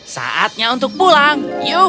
saatnya untuk pulang